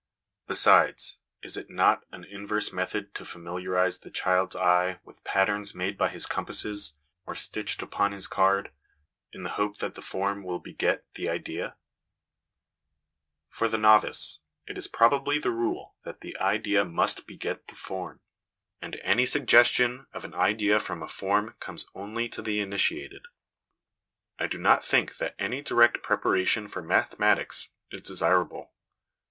Besides, is it not an inverse method to familiarise the child's eye with patterns made by his compasses, or stitched upon his card, in the hope that the form will beget the idea ? For 1 See Appendix A. 264 HOME EDUCATION the novice, it is probably the rule that the idea must beget the form, and any suggestion of an idea from a form comes only to the initiated. I do not think that any direct preparation for mathematics is desir able.